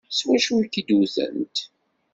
S wacu i k-id-wtent?